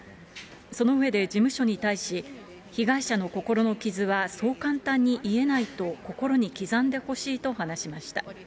その上で、事務所に対し、被害者の心の傷はそう簡単に癒えないと心に刻んでほしいと話しました。